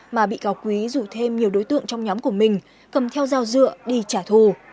mà bị cáo quý rủ thêm nhiều đối tượng trong nhóm của mình cầm theo dao dựa đi trả thù